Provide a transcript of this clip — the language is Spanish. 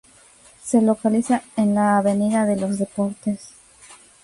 Se localiza en la "Avenida de los Deportes".